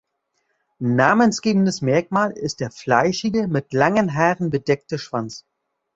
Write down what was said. Namensgebendes Merkmal ist der fleischige, mit langen Haaren bedeckte Schwanz.